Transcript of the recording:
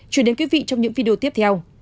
chuyển đến quý vị trong những video tiếp theo